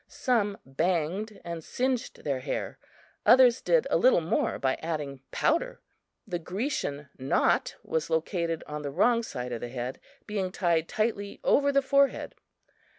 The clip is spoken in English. Some banged and singed their hair; others did a little more by adding powder. The Grecian knot was located on the wrong side of the head, being tied tightly over the forehead.